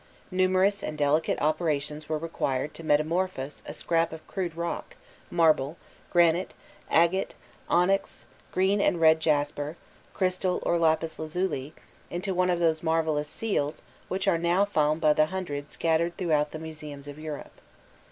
Numerous and delicate operations were required to metamorphose a scrap of crude rock, marble, granite, agate, onyx, green and red jasper, crystal or lapis lazuli, into one of those marvellous seals which are now found by the hundred scattered throughout the museums of Europe.